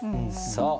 そう。